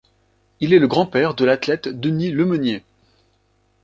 Il est le grand-père de l'athlète Denis Lemeunier.